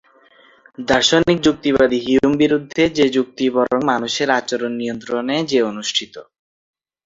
দার্শনিক যুক্তিবাদী হিউম বিরুদ্ধে যে যুক্তি বরং মানুষের আচরণ নিয়ন্ত্রণ যে অনুষ্ঠিত।